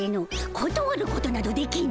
ことわることなどできぬ。